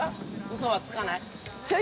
嘘はつかない？